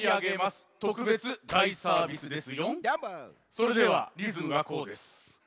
それではリズムがこうです。